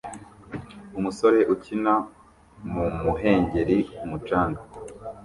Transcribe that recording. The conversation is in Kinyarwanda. umusore ukina mu muhengeri ku mucanga